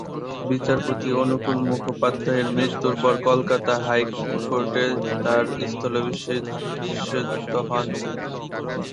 বিচারপতি অনুকূল মুখোপাধ্যায়ের মৃত্যুর পর কলকাতা হাইকোর্টে তার স্থলাভিষিক্ত হন তিনি।